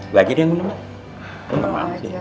gue aja yang minum